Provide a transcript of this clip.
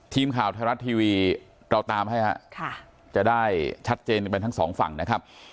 ทีมข่าวไทยรัฐทีวีเราตามให้ฮะจะได้ชัดเจนกันไปทั้งสองฝั่งนะครับ